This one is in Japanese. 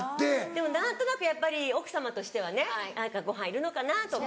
でも何となくやっぱり奥様としてはねご飯いるのかな？とか。